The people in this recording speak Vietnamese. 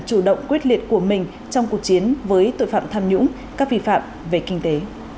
chủ động quyết liệt của mình trong cuộc chiến với tội phạm tham nhũng các vi phạm về kinh tế